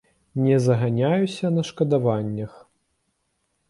Не заганяюся на шкадаваннях.